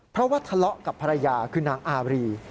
เพราะว่าทะเลาะกับภรรยาคือนางอารี